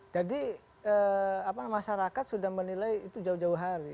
jadi masyarakat sudah menilai itu jauh jauh hari